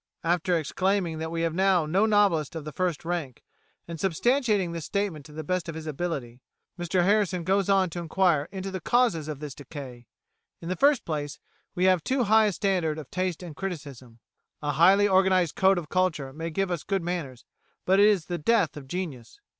After exclaiming that we have now no novelist of the first rank, and substantiating this statement to the best of his ability, Mr Harrison goes on to inquire into the causes of this decay. In the first place, we have too high a standard of taste and criticism. "A highly organised code of culture may give us good manners, but it is the death of genius."